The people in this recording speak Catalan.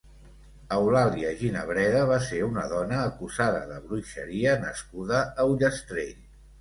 Eulàlia Ginebreda va ser una dona acusada de bruixeria nascuda a Ullastrell.